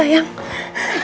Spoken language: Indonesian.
oh ya ampun rizky